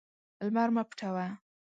لمر مه پټوه.